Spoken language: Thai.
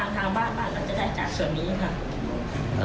สวัสดีครับ